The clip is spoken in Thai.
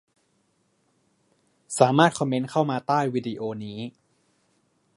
สามารถคอมเมนต์เข้ามาใต้วิดีโอนี้